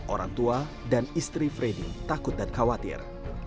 orang tua dan istri freddy takut dan khawatir